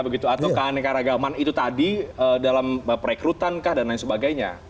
atau keanekaragaman itu tadi dalam perekrutan dan lain sebagainya